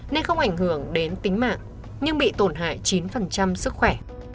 nên không ảnh hưởng đến tính mạng nhưng bị tổn hại chín sức khỏe